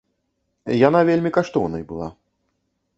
Яна вельмі каштоўнай была.